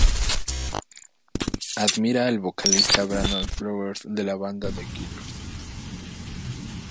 Admira al vocalista Brandon Flowers, de la banda The Killers.